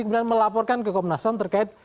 kemudian melaporkan kekomnasan terkait